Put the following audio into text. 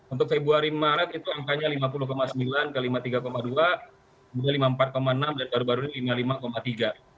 untuk februari maret itu angkanya lima puluh sembilan ke lima puluh tiga dua kemudian lima puluh empat enam dan baru baru ini lima puluh lima tiga